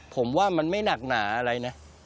ผมว่ามันไม่หนักหนาอะไรนะ